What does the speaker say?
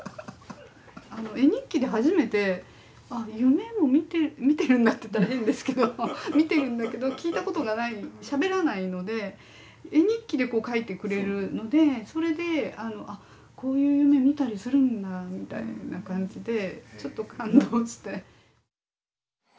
絵日記で初めてあ夢も見てるんだって言ったら変ですけど見てるんだけど聞いたことがないしゃべらないので絵日記でこう描いてくれるのでそれであこういう夢見たりするんだみたいな感じでちょっと感動して。